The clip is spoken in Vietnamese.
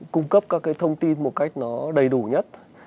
cung cấp các cái thông tin một cách nó đầy đủ nhất